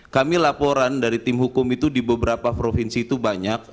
kami laporan dari tim hukum itu di beberapa provinsi itu banyak